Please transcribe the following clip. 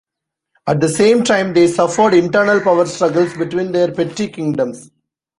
At the same time, they suffered internal power struggles between their petty kingdoms.